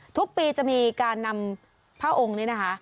ทุกปีจะมีการนำพระองค์นี้นะคะ